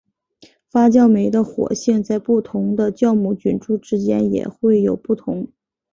发酵酶的活性在不同的酵母菌株之间也会有不同。